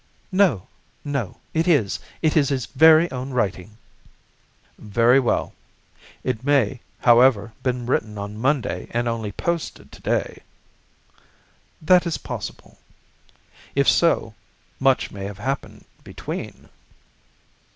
"No, no; it is, it is his very own writing!" "Very well. It may, however, have been written on Monday and only posted to day." "That is possible." "If so, much may have happened between."